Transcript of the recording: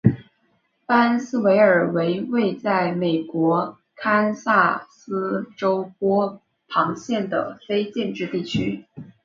巴恩斯维尔为位在美国堪萨斯州波旁县的非建制地区。